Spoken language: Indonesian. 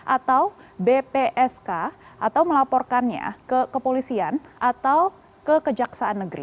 atau bpsk atau melaporkannya ke kepolisian atau ke kejaksaan negeri